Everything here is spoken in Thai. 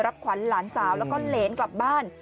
ขวัญหลานสาวแล้วก็เหรนกลับบ้าน